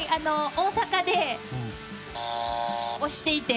大阪でをしていて。